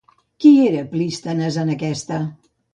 Qui era Plístenes en aquesta?